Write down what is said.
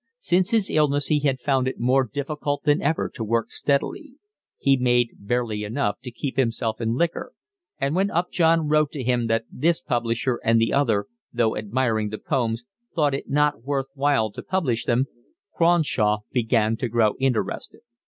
Since his illness he had found it more difficult than ever to work steadily; he made barely enough to keep himself in liquor; and when Upjohn wrote to him that this publisher and the other, though admiring the poems, thought it not worth while to publish them, Cronshaw began to grow interested.